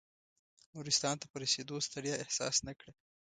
نورستان ته په رسېدو ستړیا احساس نه کړه.